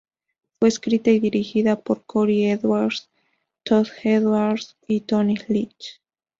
Fue escrita y dirigida por Cory Edwards, Todd Edwards y Tony Leech.